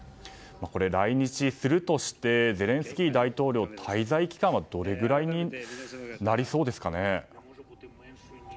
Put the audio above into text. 来日するとしてゼレンスキー大統領、滞在期間はどれぐらいになりそうですかね。